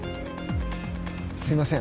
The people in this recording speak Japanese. すいません